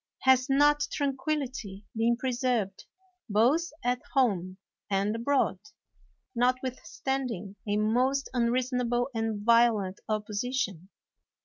Has not tranquillity been preserved both at home and abroad, notwithstanding a most unreasonable and violent opposition?